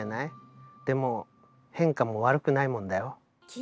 でも変化も悪くないもんだよ。